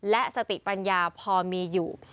และสติปัญญาพอมีอยู่